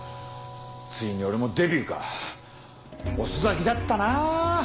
ついに俺もデビューか遅咲きだったな。